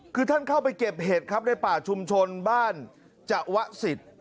คือท่านเข้าไปเก็บเห็ดครับในป่าชุมชนบ้านจวะสิทธิ์